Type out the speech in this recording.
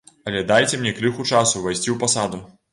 Але дайце мне крыху часу ўвайсці ў пасаду.